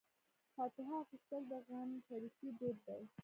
فاتحه اخیستل د غمشریکۍ دود دی.